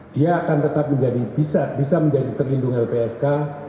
dia akan tetap bisa menjadi terlindung lpsk